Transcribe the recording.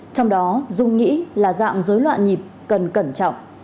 trong đó dung nghĩ là dạng dối loạn nhịp cần cẩn trọng